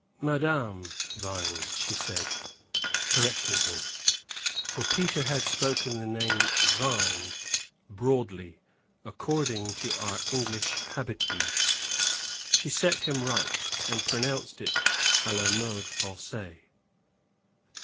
"Madame Vine," she said, correcting him. For Peter had spoken the name, Vine, broadly, according to our English habitude; she set him right, and pronounced it a la mode Francaise.